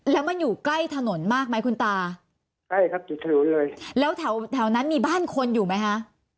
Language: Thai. แล้วมันอยู่ใกล้ถนนมากไหมคุณตาใกล้ครับติดถนนเลยแล้วแถวแถวนั้นมีบ้านคนอยู่ไหมคะ